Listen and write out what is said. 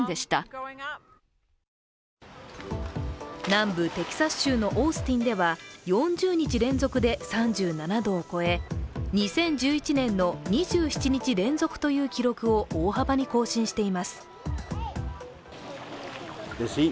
南部テキサス州のオースティンでは４０日連続で３７度を超え２０１１年の２７日連続という記録を大幅に更新しています。